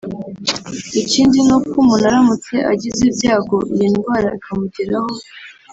Ikindi ni uko umuntu aramutse agize ibyago iyi ndwara ikamugeraho